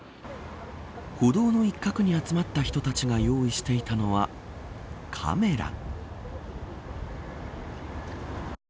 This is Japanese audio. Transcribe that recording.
歩道の一角に集まった人たちが用意していたのはカメラ。